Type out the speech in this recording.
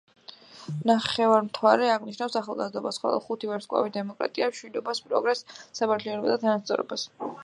ნახევარმთვარე აღნიშნავს ახალგაზრდობას, ხოლო ხუთი ვარსკვლავი დემოკრატიას, მშვიდობას, პროგრესს, სამართლიანობასა და თანასწორობას.